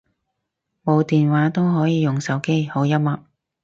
冇電話都可以用手機，好幽默